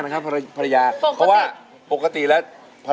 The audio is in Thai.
ของพี่ถึง